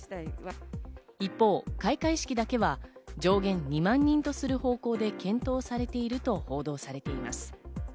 一方、開会式だけは上限２万人とする方向で検討されていると報道されています。